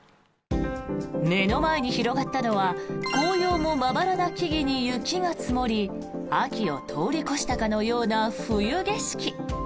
目の前に広がったのは紅葉もまばらな木々に雪が積もり秋を通り越したかのような冬景色。